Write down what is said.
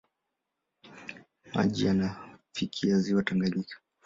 Maji yanafikia ziwa Tanganyika.